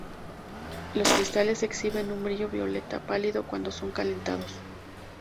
Los cristales exhiben un brillo violeta pálido cuando son calentados.